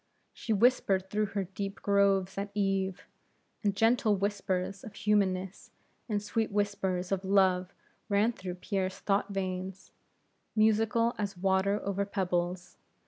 She whispered through her deep groves at eve, and gentle whispers of humanness, and sweet whispers of love, ran through Pierre's thought veins, musical as water over pebbles.